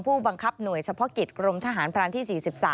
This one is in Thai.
ผู้บังคับหน่วยเฉพาะกิจกรมทหารพรานที่๔๓